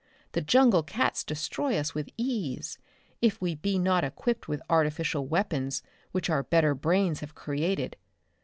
The jungle cats destroy us with ease, if we be not equipped with artificial weapons which our better brains have created.